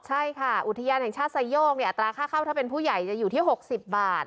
ใช่ค่ะอุทยานแห่งชาติไซโยกอัตราค่าเข้าถ้าเป็นผู้ใหญ่จะอยู่ที่๖๐บาท